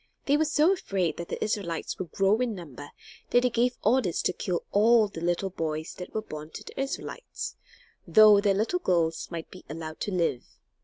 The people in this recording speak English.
They were so afraid that the Israelites would grow in number that they gave orders to kill all the little boys that were born to the Israelites; though their little girls might be allowed to live.